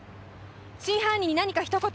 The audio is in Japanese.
真犯人に何か一言。